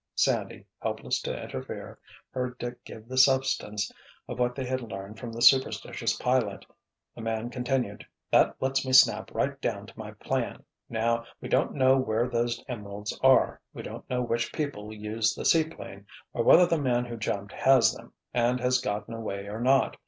Sandy, helpless to interfere, heard Dick give the substance of what they had learned from the superstitious pilot. The man continued: "That lets me snap right down to my plan. Now we don't know where those emeralds are. We don't know which people used the seaplane, or whether the man who jumped has them and has gotten away or not.